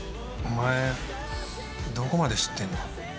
お前、どこまで知ってんの？